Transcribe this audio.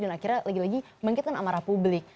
dan akhirnya lagi lagi mengikuti kan amarah publik